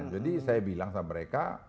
jadi saya bilang sama mereka